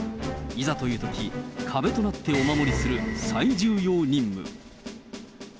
いざというとき、壁となってお守りする、最重要任務。